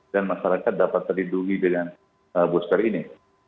dan masyarakat dapat terlindungi dengan booster ini